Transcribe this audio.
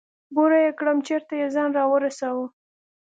بوره يې کړم چېرته يې ځان راورسوه.